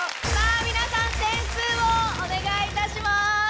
⁉皆さん点数お願いします。